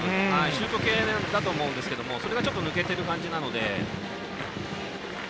シュート系だと思うんですけどそれがちょっと抜けている感じなので。